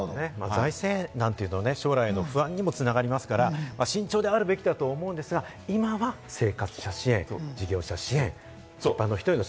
財政難は将来の不安にもつながりますから、慎重であるべきだと思うんですけれども、今は生活者支援、事業者支援。